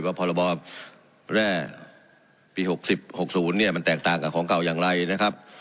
พรบแร่ปี๖๐๖๐เนี่ยมันแตกต่างกับของเก่าอย่างไรนะครับ